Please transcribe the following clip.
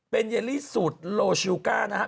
เป็นเยลลี่สูตรโลชูการ์นะครับ